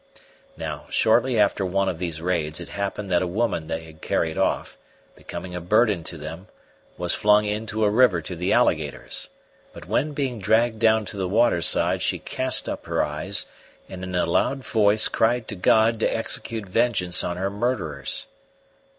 Now, shortly after one of these raids it happened that a woman they had carried off, becoming a burden to them, was flung into a river to the alligators; but when being dragged down to the waterside she cast up her eyes, and in a loud voice cried to God to execute vengeance on her murderers.